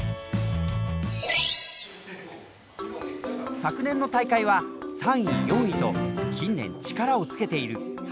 昨年の大会は３位４位と近年力をつけている函館高専。